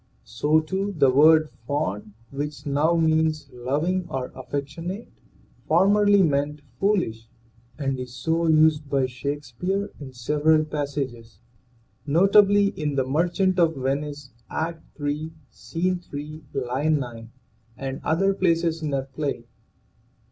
So too the word fond, which now means loving or affection ate, formerly meant foolish, and is so used by Shakespeare in several passages, notably in "The Merchant of Venice/' Act III, Scene 3, line 9, and other places in that play.